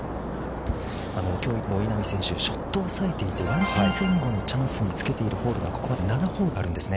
◆きょうも稲見選手、ショットが冴えていて、チャンスにつけているホールが、ここまで７ホールあるんですね。